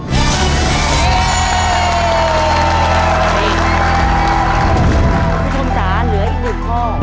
คุณคุณสาเหลืออีกหนึ่งข้อ